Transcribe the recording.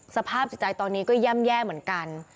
สภาพใจตัวนี้ก็แย่มแย่เหมือนกัน